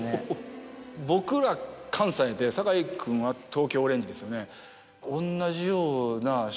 僕ら関西で堺君は東京オレンジですよね。